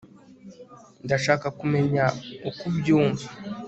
ndashaka kumenya uko ubyumva